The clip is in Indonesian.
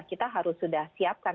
kita harus sudah siapkan